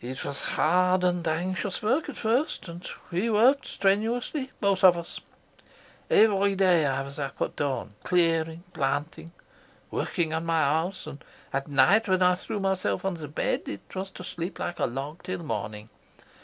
"It was hard and anxious work at first, and we worked strenuously, both of us. Every day I was up at dawn, clearing, planting, working on my house, and at night when I threw myself on my bed it was to sleep like a log till morning.